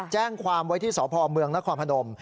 แจ้งความไว้ที่สพเมืองนครพนม